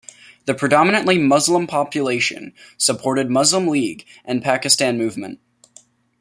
The predominantly Muslim population supported Muslim League and Pakistan Movement.